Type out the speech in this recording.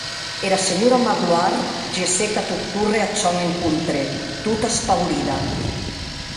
Era senhora Magloire gessec a tot córrer ath sòn encontre tota espaurida.